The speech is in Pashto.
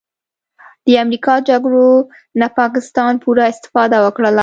د امریکا جګړو نه پاکستان پوره استفاده وکړله